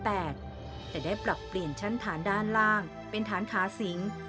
แต่ได้ปรับเปลี่ยนชั้นฐานด้านล่างเป็นฐานขาสิง